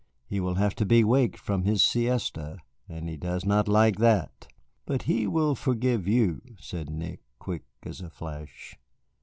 "He will have to be waked from his siesta, and he does not like that." "But he will forgive you," said Nick, quick as a flash.